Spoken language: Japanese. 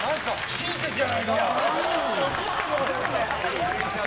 親切じゃないか。